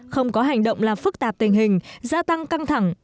không có hành động làm phức tạp tình hình gia tăng căng thẳng